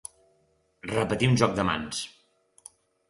Repetir un joc de mans.